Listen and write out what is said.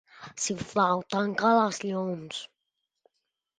Sisplau, tanca els llums.